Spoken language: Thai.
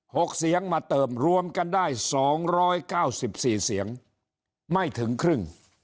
หกเสียงมาเติมรวมกันได้สองร้อยเก้าสิบสี่เสียงไม่ถึงครึ่ง